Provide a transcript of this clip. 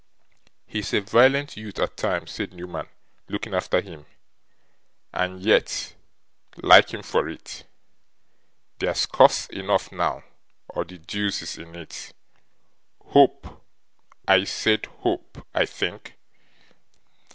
'He's a violent youth at times,' said Newman, looking after him; 'and yet I like him for it. There's cause enough now, or the deuce is in it. Hope! I SAID hope, I think!